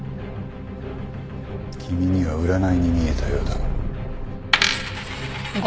君には占いに見えたようだが。